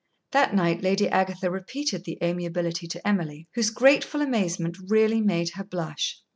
That night Lady Agatha repeated the amiability to Emily, whose grateful amazement really made her blush.